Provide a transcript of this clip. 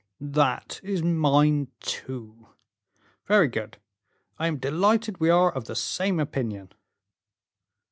"That is mine, too." "Very good; I am delighted we are of the same opinion."